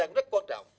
nó cũng rất quan trọng